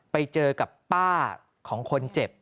ไปเจอกับป้าของคนเจ็บ